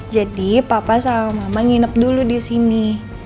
jadi papa sama mama nginep dulu disini